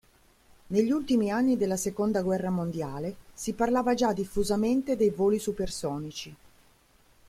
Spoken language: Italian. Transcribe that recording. Negli ultimi anni della Seconda Guerra mondiale si parlava già diffusamente dei voli supersonici.